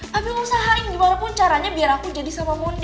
habis usahain gimana pun caranya biar aku jadi sama muti